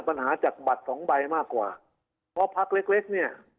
ปัญหาจากบัตรสองใบมากกว่าเพราะพักเล็กเล็กเนี่ย